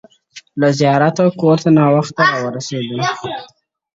وږی تږی د سل کالو په سل کاله نه مړېږم-